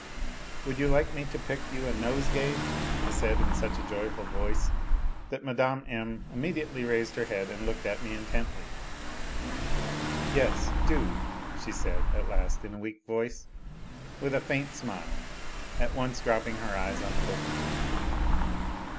" Would you like me to pick you a nosegay ?" I said, in such a joyful voice that Mme M. immediately raised her head and looked at me intently. Sea, do," she said at last in a weak voice, with a fault smile, at once dropping her eyes on the book again.